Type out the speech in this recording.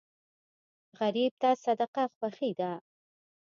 غریب ته صدقه خوښي ده